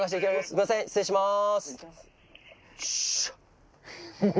すいません失礼します。